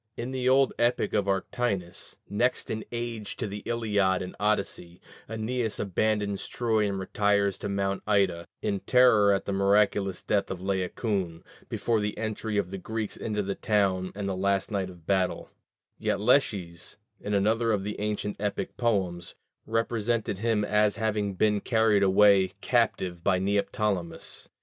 In the old epic of Arctinus, next in age to the Iliad and Odyssey, Æneas abandons Troy and retires to Mount Ida, in terror at the miraculous death of Laocoon, before the entry of the Greeks into the town and the last night battle: yet Lesches, in another of the ancient epic poems, represented him as having been carried away captive by Neoptolemus.